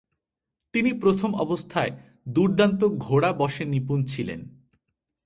তিনি প্রথম অবস্থায় দুর্দান্ত ঘোড়া বশে নিপুন ছিলেন।